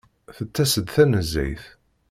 Tettas-d tanezzayt.